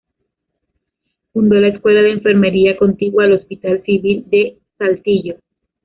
Fundó la Escuela de Enfermería contigua al Hospital Civil de Saltillo.